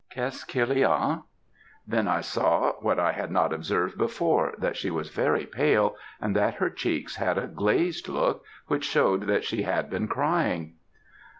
Qu'est ce qu'il y a?_' "Then I saw what I had not observed before, that she was very pale, and that her cheeks had a glazed look, which showed that she had been crying.